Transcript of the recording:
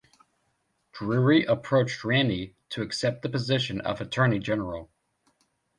Drury approached Raney to accept the position of Attorney-General.